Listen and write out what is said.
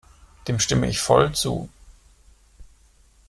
Dem stimme ich voll zu.